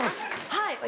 はい。